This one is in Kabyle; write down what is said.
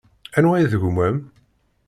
Anwa i d gma-m?